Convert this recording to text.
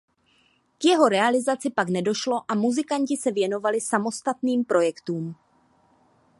K jeho realizaci pak nedošlo a muzikanti se věnovali samostatným projektům.